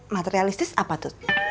materialistis apa tut